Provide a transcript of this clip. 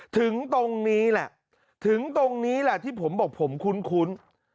ถึงตรงนี้แหละถึงตรงนี้แหละที่ผมบอกผมคุ้น